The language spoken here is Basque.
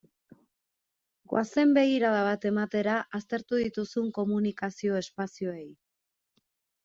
Goazen begirada bat ematera aztertu dituzun komunikazio espazioei.